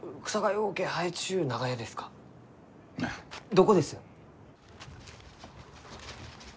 どこです？